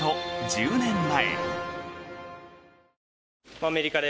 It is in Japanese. １０年前。